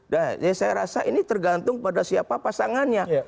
nah saya rasa ini tergantung pada siapa pasangannya